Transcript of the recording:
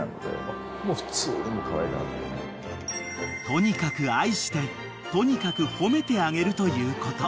［とにかく愛してとにかく褒めてあげるということ］